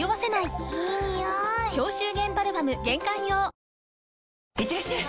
ハローいってらっしゃい！